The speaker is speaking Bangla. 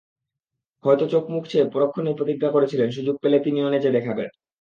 হয়তো চোখ মুছে পরক্ষণেই প্রতিজ্ঞা করেছিলেন, সুযোগ পেলে তিনিও নেচে দেখাবেন।